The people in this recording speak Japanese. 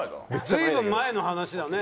随分前の話だね。